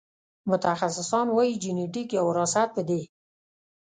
متخصصان وايي جنېتیک یا وراثت په دې